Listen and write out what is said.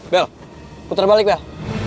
bel puter balik bel